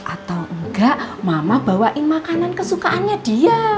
atau enggak mama bawain makanan kesukaannya dia